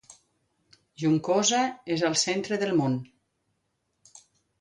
Juncosa és el centre del món.